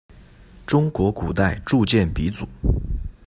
中国古代铸剑鼻祖。